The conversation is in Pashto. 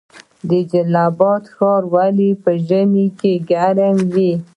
جلال اباد ښار ولې په ژمي کې ګرم وي؟